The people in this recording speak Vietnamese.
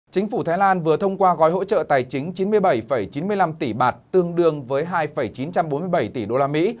chính phủ thái lan vừa thông qua gói hỗ trợ tài chính chín mươi bảy chín mươi năm tỷ bạt tương đương với hai chín trăm bốn mươi bảy tỷ đô la mỹ